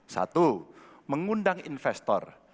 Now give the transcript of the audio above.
satu mengundang investor